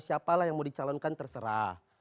siapalah yang mau dicalonkan terserah